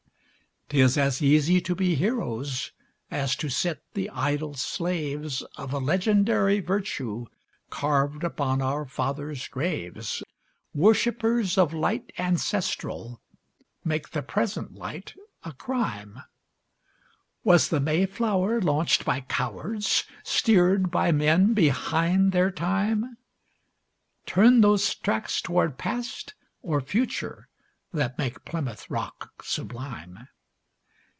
'Tis as easy to be heroes as to sit the idle slaves Of a legendary virtue carved upon our father's graves, Worshippers of light ancestral make the present light a crime;— Was the Mayflower launched by cowards, steered by men behind their time? Turn those tracks toward Past or Future, that make Plymouth Rock sublime?